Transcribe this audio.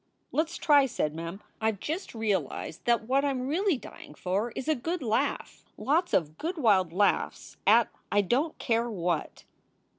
"Let s try," said Mem. "I ve just realized that what I m really dying for is a good laugh, lots of good wild laughs at I don t care what."